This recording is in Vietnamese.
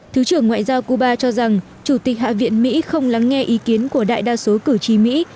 thứ trưởng ngoại giao cuba cho rằng chủ tịch hạ viện mỹ không lắng nghe ý kiến của đại đa số cử tri mỹ